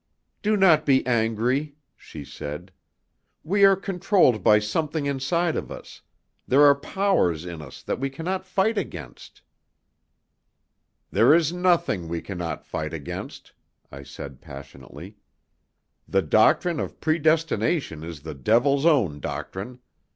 "Do not be angry," she said. "We are controlled by something inside of us; there are powers in us that we cannot fight against." "There is nothing we cannot fight against," I said passionately. "The doctrine of predestination is the devil's own doctrine.